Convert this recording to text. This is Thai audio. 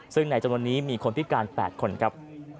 ซึ่งในจำนวนนี้มีคนพิการ๘คนครับ